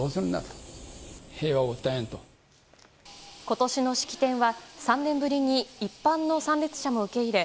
今年の式典は、３年ぶりに一般の参列者も受け入れ